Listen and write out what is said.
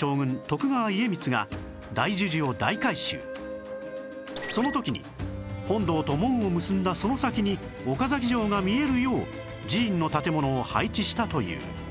今からその時に本堂と門を結んだその先に岡崎城が見えるよう寺院の建物を配置したという